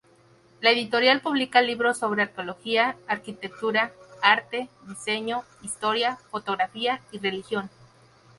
La editorial publica libros sobre arqueología, arquitectura, arte, diseño, historia, fotografía y religión.